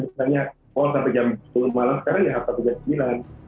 misalnya kalau sampai jam sepuluh malam sekarang ya apa tiga puluh sembilan